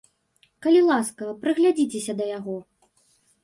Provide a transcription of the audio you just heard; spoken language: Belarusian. Калі ласка, прыглядзіцеся да яго.